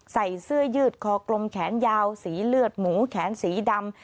ใส่เสื้อยืดคอกลมแขนยาวสีเลือดหมูแขนสีดำ